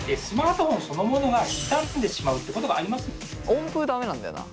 温風駄目なんだよな。